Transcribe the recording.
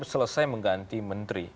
selesai mengganti menteri